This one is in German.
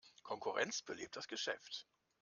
Konkurrenz belebt das Geschäft.